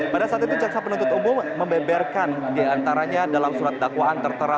pada saat itu jaksa penuntut umum membeberkan diantaranya dalam surat dakwaan tertera